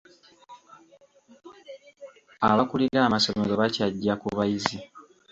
Abakulira amasomero bakyajja ku bayizi.